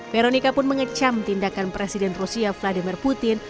veronica pun mengecam tindakan presiden rusia vladimir putin